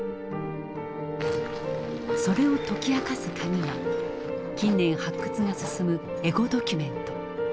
それを解き明かすカギが近年発掘が進むエゴドキュメント。